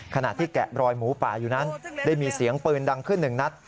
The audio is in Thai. ขณะที่แกะรอยหมูป่าอยู่นั้นได้มีเสียงปืนดังขึ้นหนึ่งนัด